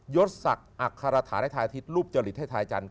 ยศสักอัคฆราฐาให้ทายทิศรูปเจริตให้ทายจันทร์